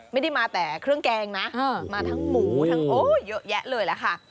ไม่ได้มาแต่เครื่องแกงนะมาทั้งหมูทั้งโอ้ยเยอะแยะเลยล่ะค่ะ